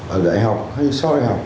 ở đại học hay sau đại học